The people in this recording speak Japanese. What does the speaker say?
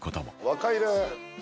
「若いね」